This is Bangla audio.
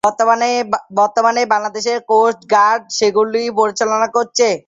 বর্তমানে বাংলাদেশ কোস্ট গার্ড সেগুলি পরিচালনা করছে।